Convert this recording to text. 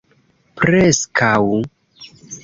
Preskaŭ...